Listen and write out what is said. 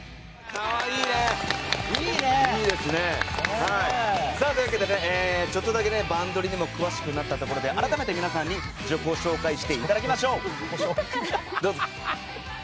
いいですね。というわけでちょっとだけ「バンドリ！」にも詳しくなったところで改めて皆さんに自己紹介していただきましょう。